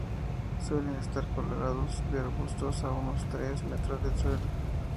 Suelen estar colgados de arbustos a unos tres metros del suelo.